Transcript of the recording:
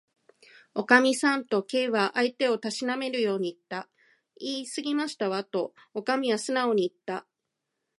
「おかみさん」と、Ｋ は相手をたしなめるようにいった。「いいすぎましたわ」と、おかみはすなおにいった。